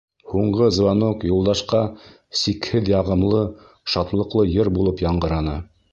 Һуңғы звонок Юлдашҡа сикһеҙ яғымлы, шатлыҡлы йыр булып яңғыраны.